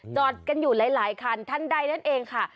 จอดกันรายครั้นท่านด่ายนั่นเองค่ะ